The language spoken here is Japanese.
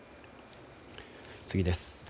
次です。